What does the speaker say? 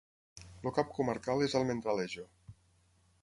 El cap comarcal és Almendralejo.